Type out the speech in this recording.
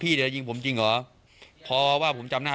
พี่เขาลงมาจากรถ